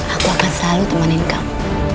aku akan selalu temenin kamu